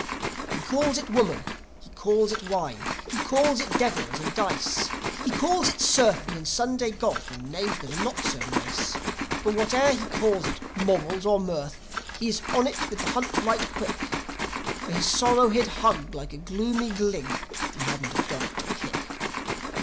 He calls it "Woman," he calls it "Wine," he calls it "Devils" and "Dice"; He calls it "Surfing" and "Sunday Golf' and names that are not so nice. But whatever he calls it "Morals" or "Mirth" he is on with the hunt right quick For his sorrow he'd hug like a gloomy Gllig if he hadn't a dog to kick.